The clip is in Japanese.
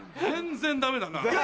全然ダメだな！